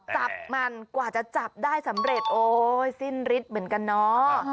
จับมันกว่าจะจับได้สำเร็จโอ๊ยสิ้นฤทธิ์เหมือนกันเนาะ